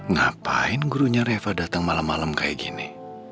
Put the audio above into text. ngapain gurunya reva datang malem malem kayak gini